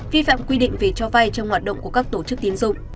vi phạm quy định về cho vai trong hoạt động của các tổ chức tín dụng